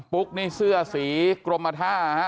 ุ๊กนี่เสื้อสีกรมท่าฮะ